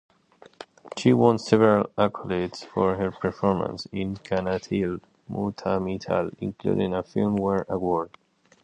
She won several accolades for her performance in "Kannathil Muthamittal" including a Filmfare award.